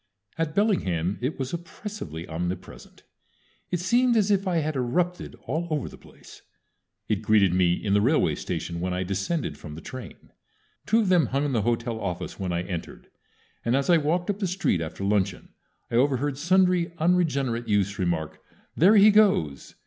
At Bellingham it was oppressively omnipresent. It seemed as if I had erupted all over the place. It greeted me in the railway station when I descended from the train. Two of them hung in the hotel office when I entered, and as I walked up the street after luncheon I overheard sundry unregenerate youths remark, "There he goes!"